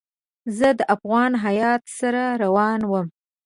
زه د افغان هیات سره روان وم.